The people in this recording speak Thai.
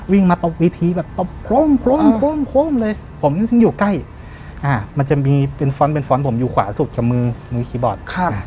วิ่งมาตบเวทีตบโครมเลยผมอยู่ใกล้มันจะมีเป็นฟ้อนต์ผมอยู่ขวาสุดกับมือคีย์บอร์ด